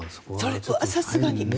それはさすがに。